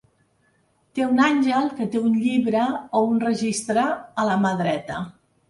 Té un àngel que té un llibre o un registre a la mà dreta.